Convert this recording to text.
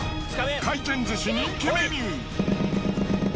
回転寿司人気メニュー。